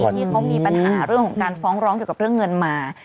ที่เขามีปัญหาเรื่องของการฟ้องร้องเกี่ยวกับเรื่องเงินมา